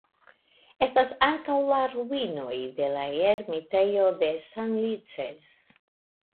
Estas ankaŭ la ruinoj de la ermitejo de Sanlices.